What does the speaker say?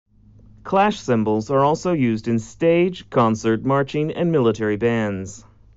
Clash cymbals are also used in stage, concert, marching and military bands.